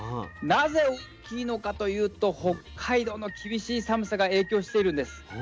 なぜ大きいのかというと北海道の厳しい寒さが影響しているんです。